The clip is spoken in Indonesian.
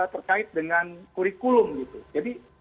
terkait dengan kurikulum gitu jadi